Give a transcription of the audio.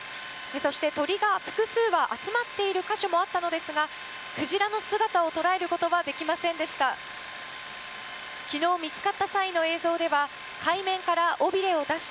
そして鳥が複数羽集まっている箇所もあったのですがクジラの姿を捉えることはできませんでした。